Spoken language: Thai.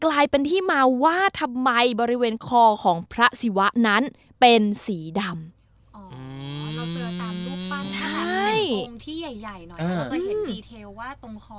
กลายเป็นที่มาว่าทำไมบริเวณคอของพระศิวะนั้นเป็นสีดำ